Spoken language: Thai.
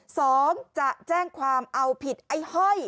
สองจะแจ้งความเอาผิดไอ้ห้อย